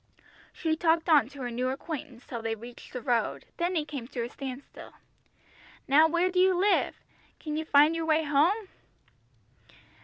She talked on to her new acquaintance till they reached the road, then he came to a standstill. "Now where do you live? Can you find your way home?"